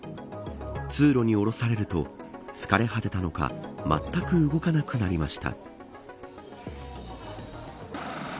通路に降ろされると疲れ果てたのかまったく動かなくなりました。